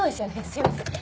すいません。